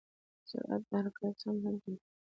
سرعت د حرکت سمت هم ټاکي.